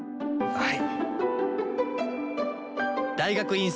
はい！